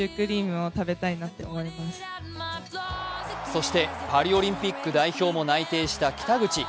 そしてパリオリンピック代表も内定した北口。